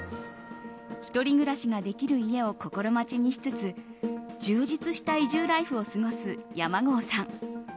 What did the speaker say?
１人暮らしができる家を心待ちにしつつ充実した移住ライフを過ごす山郷さん。